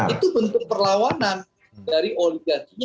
itu bentuk perlawanan dari oligarkinya